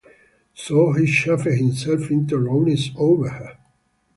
So he chafed himself into rawness over her.